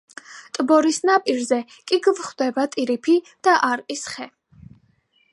ტბორის ნაპირზე კი გვხვდება ტირიფი და არყის ხე.